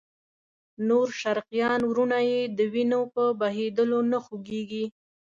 نور شرقیان وروڼه یې د وینو په بهېدلو نه خوږېږي.